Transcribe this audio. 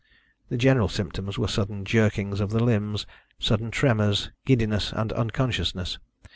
The general symptoms were sudden jerkings of the limbs, sudden tremors, giddiness and unconsciousness.